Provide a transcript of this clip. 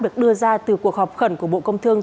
được đưa ra từ cuộc họp khẩn của bộ công thương